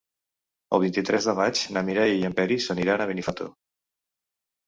El vint-i-tres de maig na Mireia i en Peris aniran a Benifato.